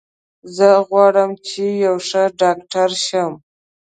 زه غواړم چې یو ښه ډاکټر شم